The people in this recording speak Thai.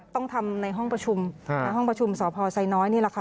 ต้องทำในห้องประชุมในห้องประชุมสพไซน้อยนี่แหละค่ะ